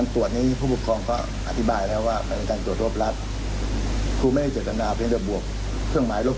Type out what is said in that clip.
ถ้าผู้เรียนตกถูกกระถุม